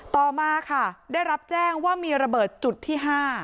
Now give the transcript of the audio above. ต่อมาค่ะได้รับแจ้งว่ามีระเบิดจุดที่๕